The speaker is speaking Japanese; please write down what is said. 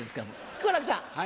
好楽さん。